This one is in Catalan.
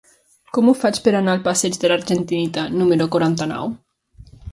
Com ho faig per anar al passeig de l'Argentinita número quaranta-nou?